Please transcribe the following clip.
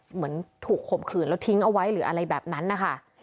เหมือนถูกข่มขืนแล้วทิ้งเอาไว้หรืออะไรแบบนั้นนะคะ